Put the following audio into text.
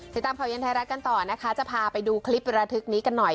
ติดตามข่าวเย็นไทยรัฐกันต่อนะคะจะพาไปดูคลิประทึกนี้กันหน่อย